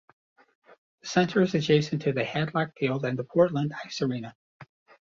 The Center is adjacent to the Hadlock Field and the Portland Ice Arena.